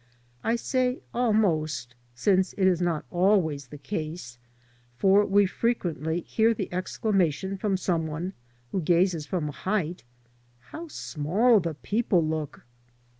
I say "almost,'* since it is not always the case, for we frequently hear the exclamation from someone who gazes from a height, " How small the people look